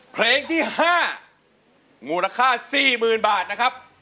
เพลงที่ห้ามูลค่าสี่หมื่นบาทนะครับ